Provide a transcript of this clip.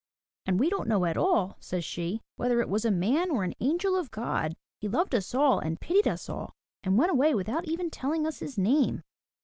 "And we don't know at all," says she, "whether it was a man or an angel of God. He loved us all and pitied us all, and went away without even telling us his name."